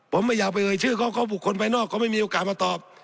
ผมไม่อยากไปเอ่ยชื่อเขาเขาบุคคลภายนอกเขาไม่มีโอกาสมาตอบ